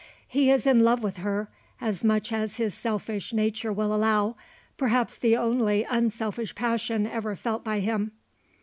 He is in love with her, as much as his selfish nature will allow perhaps the only unselfish passion ever felt by him.